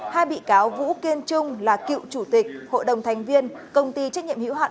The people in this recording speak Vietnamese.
hai bị cáo vũ kiên trung là cựu chủ tịch hội đồng thành viên công ty trách nhiệm hữu hạn